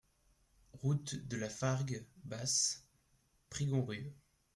Route de la Fargue Basse, Prigonrieux